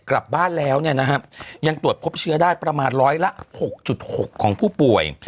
กลับบ้านแล้วยังตรวจพบเชื้อได้ประมาณ๑๐๖๖ของผู้ป่วย